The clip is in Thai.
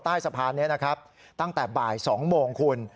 ใต้สะพานนี้นะครับตั้งแต่บ่าย๒โมงคุณ